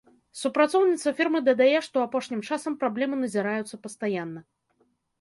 Супрацоўніца фірмы дадае, што апошнім часам праблемы назіраюцца пастаянна.